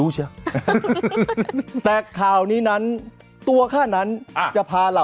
หัวล่ะปอม